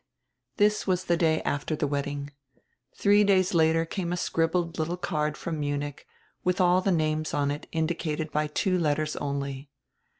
This was the day after die w r edding. Three days later came a scribbled little card from Munich, with all the names on it indicated by two letters only.